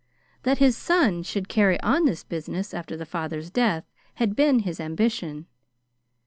That his son should carry on this business after the father's death had been his ambition.